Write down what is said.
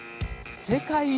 世界一